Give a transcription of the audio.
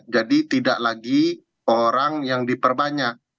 jadi tidak lagi orang yang diperbanyak